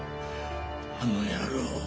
あの野郎